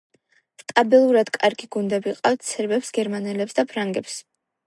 სტაბილურად კარგი გუნდები ყავთ სერბებს, გერმანელებს და ფრანგებს.